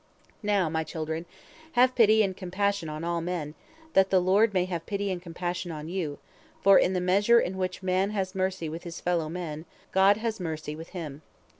"Now, my children, have pity and compassion on all men, that the Lord may have pity and compassion on you, for in the measure in which man has mercy with his fellow men, God has mercy with him.